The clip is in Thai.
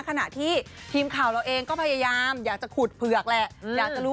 ขณะที่ทีมข่าวเราเองก็พยายามอยากจะขุดเผือกแหละอยากจะรู้